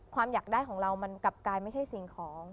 อยากได้ของเรามันกลับกลายไม่ใช่สิ่งของ